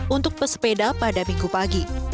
untuk pesepeda pada minggu pagi